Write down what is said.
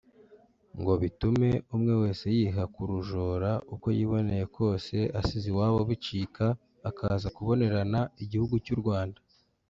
ngo bitume umwe wese yiha kurujora uko yiboneye kwose asize iwabo bicika akaza kubonerana igihugu cy’u Rwanda